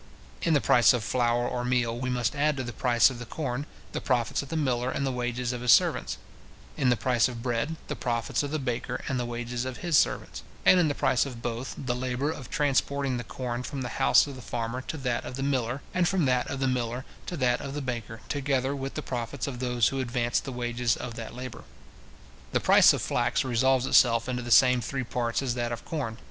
In the price of flour or meal, we must add to the price of the corn, the profits of the miller, and the wages of his servants; in the price of bread, the profits of the baker, and the wages of his servants; and in the price of both, the labour of transporting the corn from the house of the farmer to that of the miller, and from that of the miller to that of the baker, together with the profits of those who advance the wages of that labour. The price of flax resolves itself into the same three parts as that of corn.